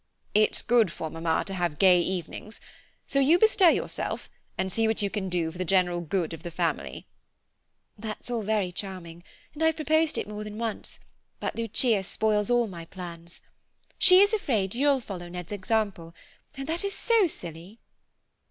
It's good for Mamma to have gay evenings; so you bestir yourself, and see what you can do for the general good of the family." "That's all very charming, and I've proposed it more than once, but Lucia spoils all my plans. She is afraid you'll follow Ned's example, and that is so silly."